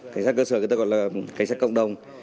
cảnh sát cơ sở người ta gọi là cảnh sát cộng đồng